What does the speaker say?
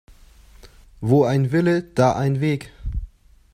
Wo ein Wille, da ein Weg.